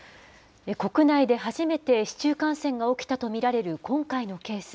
国内で初めて市中感染が起きたと見られる今回のケース。